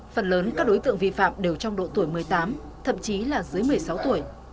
phần lớn các đối tượng vi phạm đều trong độ tuổi một mươi tám thậm chí là dưới một mươi sáu tuổi